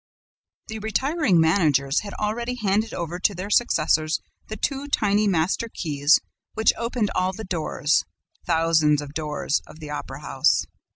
The retiring managers had already handed over to their successors the two tiny master keys which opened all the doors thousands of doors of the Opera house.